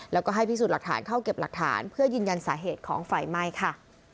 แล้วก็ให้พิสูจน์หลักฐานเข้าเก็บหลักฐานเพื่อยืนยันสาเหตุของไฟไหม้ค่ะ